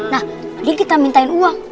nah jadi kita minta uang